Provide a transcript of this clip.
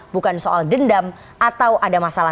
bukan soal dendam atau ada masalah